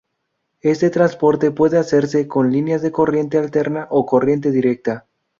Este transporte puede hacerse con lineas de corriente alterna o corriente directa.